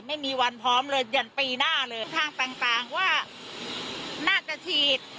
ไม่มีวันพร้อมเลยอย่างปีหน้าเลยทางต่างว่าน่าจะฉีด